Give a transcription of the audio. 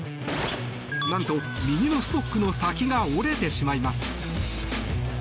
なんと、右のストックの先が折れてしまいます。